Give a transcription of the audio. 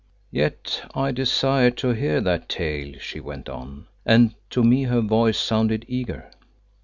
"Yet I desire to hear that tale," she went on, and to me her voice sounded eager.